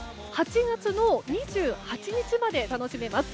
８月２８日まで楽しめます。